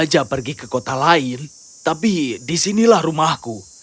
aku bisa pergi ke kota lain tapi disinilah rumahku